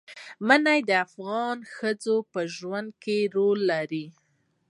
منی د افغان ښځو په ژوند کې رول لري.